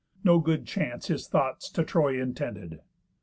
No good chance His thoughts to Troy intended.